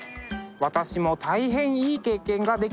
私も大変いい経験ができたと思います。